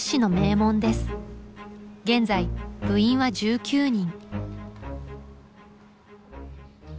現在部員は１９人。